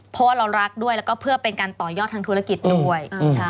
เพราะว่าเรารักด้วยแล้วก็เพื่อเป็นการต่อยอดทางธุรกิจด้วย